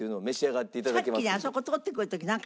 さっきねあそこ通ってくる時なんか。